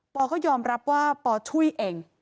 อก็ยอมรับว่าปอช่วยเอง